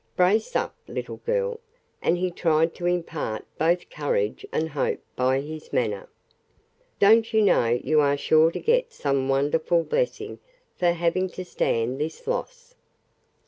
Brace up, little girl"; and he tried to impart both courage and hope by his manner. "Don't you know you are sure to get some wonderful blessing for having to stand this loss?